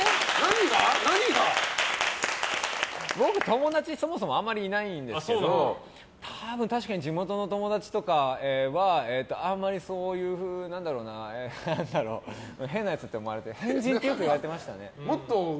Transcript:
僕、友達そもそもあんまりいないんですけど確かに地元の友達とかは変なやつって変人ってよく言われてましたね。